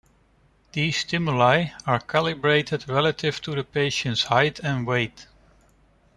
These stimuli are calibrated relative to the patient's height and weight.